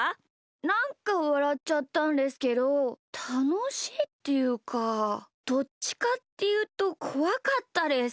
なんかわらっちゃったんですけどたのしいっていうかどっちかっていうとこわかったです。